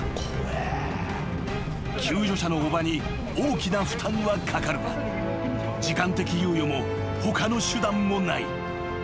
［救助者のおばに大きな負担はかかるが時間的猶予も他の手段もない］